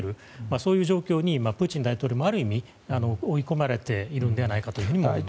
そういう状況にプーチン大統領も、ある意味追い込まれているんではないかと思います。